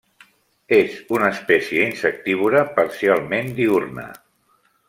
És una espècie insectívora parcialment diürna.